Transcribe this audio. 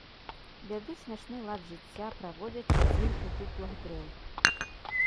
Вядуць начны лад жыцця, праводзячы дзень у дуплах дрэў.